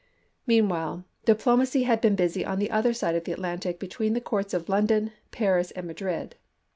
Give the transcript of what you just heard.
Mean while, diplomacy had been busy on the other side of the Atlantic between the courts of London, Paris, and Madrid.